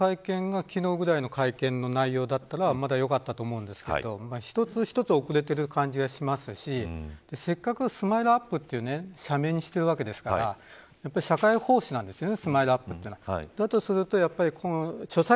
少なくとも１回目の会見が昨日ぐらいの会見の内容だったらまだよかったと思うんですけど一つ一つ遅れている感じがしますしせっかくＳＭＩＬＥ‐ＵＰ．という社名にしているわけですから社会奉仕なんですね。